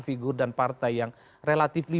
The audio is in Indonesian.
figur dan partai yang relatively